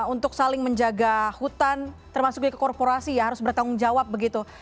untuk saling menjaga hutan termasuk ke korporasi ya harus bertanggung jawab begitu